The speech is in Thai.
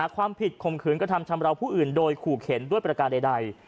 ข่มขืนกระทำชำราวผู้อื่นโดยขู่เข็นด้วยประการใด